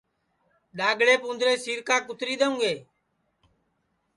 ڈؔاگݪیپ اُوندرے سِیرکاں کُتری دؔیؤں گے